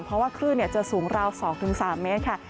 เพราะว่าคลื่นจะสูงราว๒๓เมตรค่ะ